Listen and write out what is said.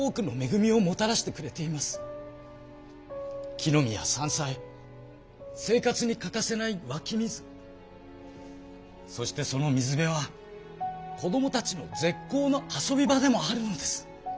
きのみや山菜生活に欠かせないわき水そしてその水辺はこどもたちの絶好の遊び場でもあるんです。